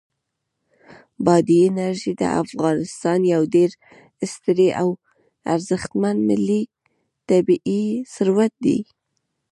بادي انرژي د افغانستان یو ډېر ستر او ارزښتمن ملي طبعي ثروت دی.